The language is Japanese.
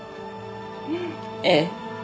ええ。